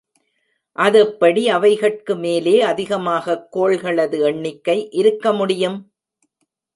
அதெப்படி அவைகட்கு மேலே அதிகமாகக் கோள்களது எண்ணிக்கை இருக்க முடியும்?